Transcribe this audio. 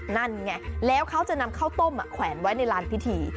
นั่นไงแล้วเขาจะนำข้าวต้มแขวนไว้ในลานพิธี